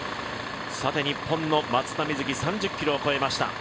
日本の松田瑞生３０ｋｍを超えました。